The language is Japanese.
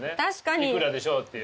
幾らでしょう？っていう。